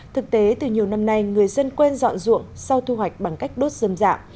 thực tế từ nhiều năm nay người dân quên dọn ruộng sau thu hoạch bằng cách đốt dơm dạ